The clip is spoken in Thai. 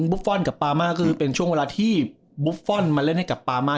บุฟฟอลกับปามาคือเป็นช่วงเวลาที่บุฟฟอลมาเล่นให้กับปามา